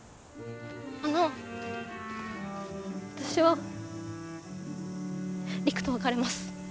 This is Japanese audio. あの私は陸と別れます。